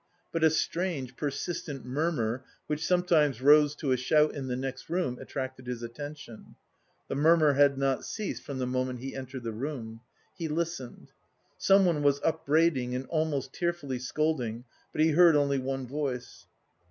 But a strange persistent murmur which sometimes rose to a shout in the next room attracted his attention. The murmur had not ceased from the moment he entered the room. He listened: someone was upbraiding and almost tearfully scolding, but he heard only one voice.